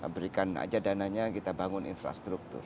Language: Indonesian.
berikan aja dananya kita bangun infrastruktur